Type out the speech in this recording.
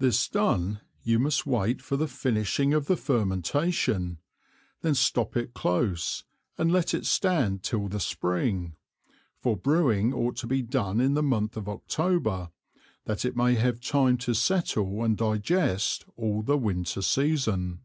This done, you must wait for the finishing of the fermentation, then stop it close, and let it stand till the Spring, for Brewing ought to be done in the Month of October, that it may have time to settle and digest all the Winter Season.